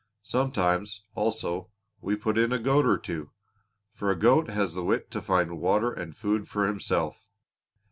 Sometimes, also, we put in a goat or two, for a goat has the wit to find water and food for himself.